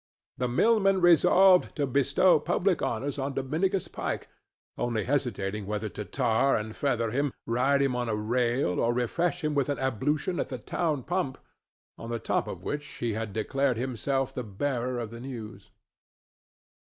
The mill men resolved to bestow public honors on Dominicus Pike, only hesitating whether to tar and feather him, ride him on a rail or refresh him with an ablution at the town pump, on the top of which he had declared himself the bearer of the news.